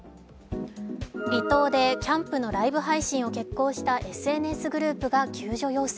離島でキャンプのライブ配信を決行したＳＮＳグループが救助要請。